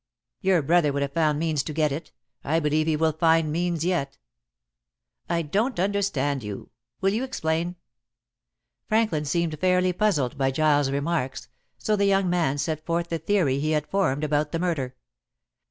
"Your brother would have found means to get it. I believe he will find means yet." "I don't understand you. Will you explain?" Franklin seemed fairly puzzled by Giles' remarks, so the young man set forth the theory he had formed about the murder.